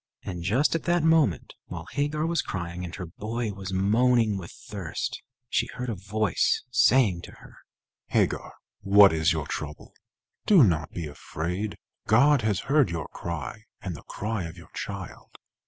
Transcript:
And just at that moment, while Hagar was crying, and her boy was moaning with thirst, she heard a voice saying to her: "Hagar, what is your trouble? Do not be afraid. God has heard your cry and the cry of your child.